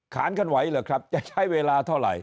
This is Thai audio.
ขานกันไหวเหรอครับจะใช้เวลาเท่าไหร่